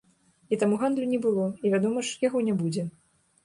І таму гандлю не было, і, вядома ж, яго не будзе.